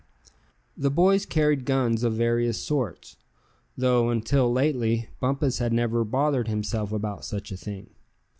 The boys carried guns of various sorts, though until lately Bumpus had never bothered himself about such a thing.